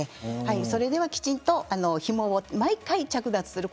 それではきちんとひもを毎回着脱する。